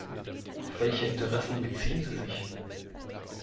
Auf welche Interessen beziehen Sie sich?